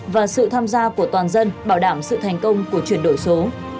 và sự tham gia của toàn dân bảo đảm sự thành công của chuyển đổi số